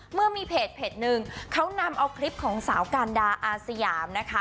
เมื่อมีเพจหนึ่งเขานำเอาคลิปของสาวการดาอาสยามนะคะ